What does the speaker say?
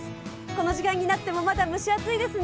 この時間になってもまだ蒸し暑いですね！